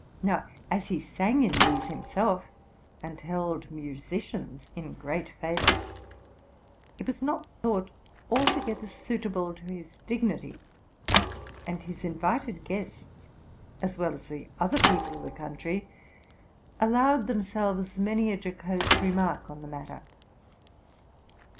Now, as he sang in these himself, and held musicians in great favor, it was not thonght altogether suitable to his dignity; and his in vited guests, as well as the other people of the country, allowed themselves many a jocose remark on the matter.